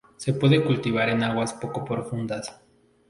Se puede cultivar en aguas poco profundas.